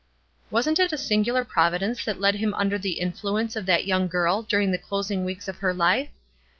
"Wasn't it a singular Providence that led him under the influence of that young girl during the closing weeks of her life?